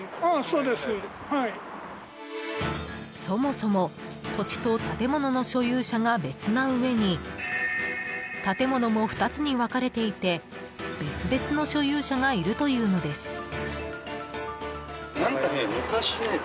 そもそも土地と建物の所有者が別なうえに建物も２つに分かれていて別々の所有者がいるというのです。